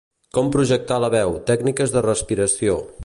Com projectar la veu, tècniques de respiració.